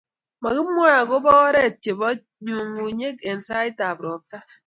magimwae agoba oret chebo nyungunyeek eng saitab ropta